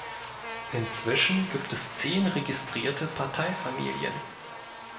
Inzwischen gibt es zehn registrierte Parteifamilien.